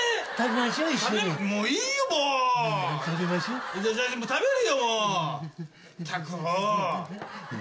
まったくもう。